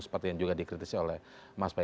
seperti yang juga dikritisi oleh mas ferr